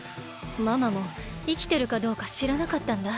ママもいきてるかどうかしらなかったんだ。